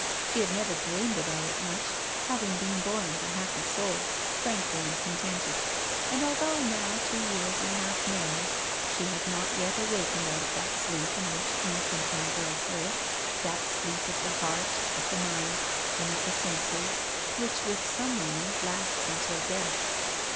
She had never dreamed about it much, having been born with a happy soul, tranquil and contented, and, although now two years and a half married, she had not yet awakened out of that sleep in which innocent young girls live, that sleep of the heart, of the mind, and of the senses, which, with some women, lasts until death.